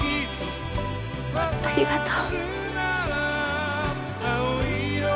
涼太ありがとう。